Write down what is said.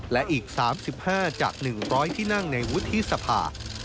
และอีก๓๕จาก๑๐๐ที่นั่งในวุฒิสภา